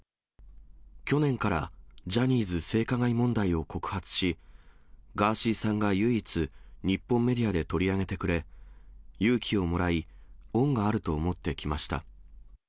去年からジャニーズ性加害問題を告発し、ガーシーさんが唯一、日本メディアで取り上げてくれ、勇気をもらい、恩があると思って来ました。